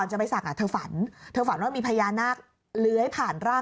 ใช่ค่ะรอยศักดิ์เก่าให้ดูก่อน